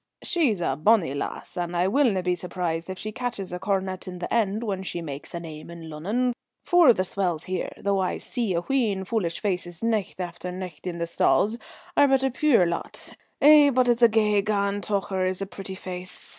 She's a bonnie lassie, and I willna be surprised if she catches a coronet in the end, when she makes a name in Lunnon; for the swells here, though I see a wheen foolish faces nicht after nicht in the stalls, are but a puir lot. Eh, but it's a gey grand tocher is a pretty face.